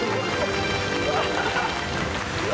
うわ！